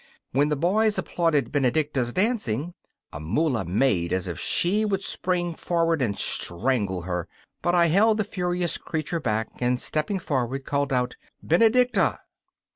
When the boys applauded Benedicta's dancing Amula made as if she would spring forward and strangle her. But I held the furious creature back, and, stepping forward, called out: 'Benedicta!